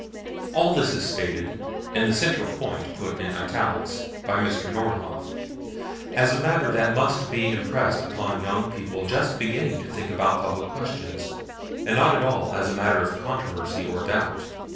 All this is stated, and the central point put in italics, by Mr. Nordhoff, as matter that must be impressed upon young people just beginning to think about public questions, and not at all as matter of controversy or doubt.